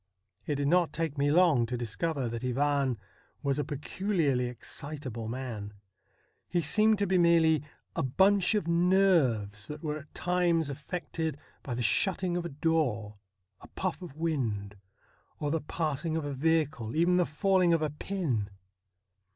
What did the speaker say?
It did not take me long to dis cover that Ivan was a peculiarly excitable man. He seemed to be merely a bunch of nerves that were at times affected by the shutting of a door, a puff of wind, or the passing of a vehicle, even the falling of a pin.